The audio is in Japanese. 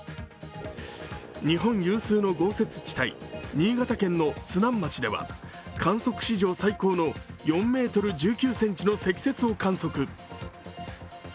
日本有数の豪雪地帯、新潟県の津南町では観測史上最高の４ｍ１９ｃｍの積雪を観測。